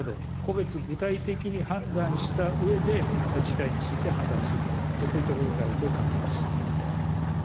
ふせいの侵害が生じているなど、個別具体的に判断したうえで、事態について判断する、こういったことになると考えます。